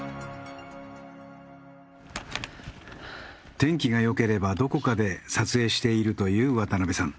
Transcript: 天気がよければどこかで撮影しているという渡邉さん。